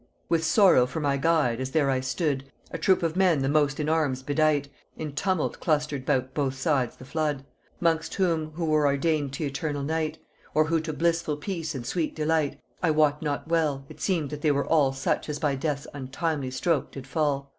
"With Sorrow for my guide, as there I stood, A troop of men the most in arms bedight, In tumult clustered 'bout both sides the flood: 'Mongst whom, who were ordained t' eternal night, Or who to blissful peace and sweet delight, I wot not well, it seemed that they were all Such as by death's untimely stroke did fall."